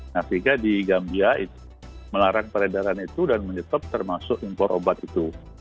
nah sehingga di gambia itu melarang peredaran itu dan menyetop termasuk impor obat itu